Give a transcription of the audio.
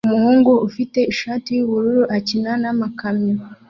Umuhungu ufite ishati yubururu akina namakamyo